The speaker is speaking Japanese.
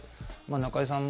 中居さん